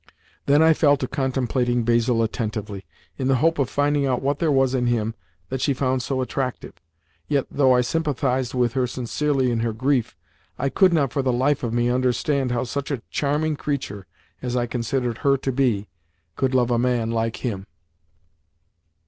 Then I fell to contemplating Basil attentively, in the hope of finding out what there was in him that she found so attractive; yet, though I sympathised with her sincerely in her grief, I could not for the life of me understand how such a charming creature as I considered her to be could love a man like him.